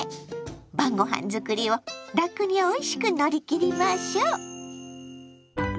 晩ごはん作りをラクにおいしく乗り切りましょう！